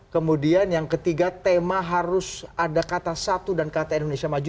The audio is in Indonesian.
kemudian yang ketiga tema harus ada kata satu dan kata indonesia maju